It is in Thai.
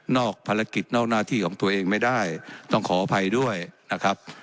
ภารกิจนอกหน้าที่ของตัวเองไม่ได้ต้องขออภัยด้วยนะครับ